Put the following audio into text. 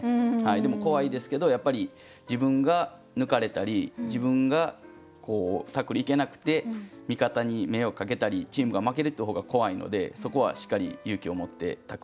でも怖いですけどやっぱり自分が抜かれたり自分がタックルいけなくて味方に迷惑かけたりチームが負けるって方が怖いのでそこはしっかり勇気を持ってタックルいってます。